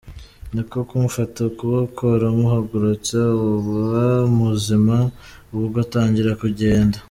Ni ko kumufata ukuboko aramuhagurutsa aba muzima ubwo atangira kugenda.